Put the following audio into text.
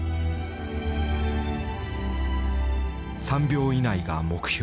３秒以内が目標。